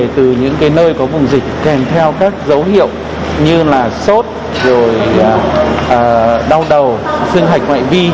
từ những nơi có vùng dịch kèm theo các dấu hiệu như sốt đau đầu xương hạch ngoại vi